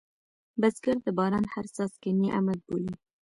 بزګر د باران هر څاڅکی نعمت بولي